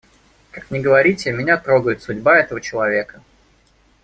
Как ни говорите, меня трогает судьба этого человека.